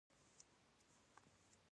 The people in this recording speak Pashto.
نو ډاکتر هغه عمليات کا.